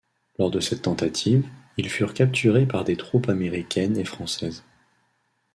Lors de cette tentative, ils furent capturés par des troupes américaines et françaises.